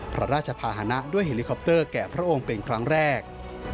พระราชภาษณะด้วยเฮลิคอปเตอร์แก่พระองค์เป็นครั้งแรก